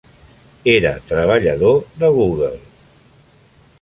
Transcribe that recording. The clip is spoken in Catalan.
Era treballador de Google.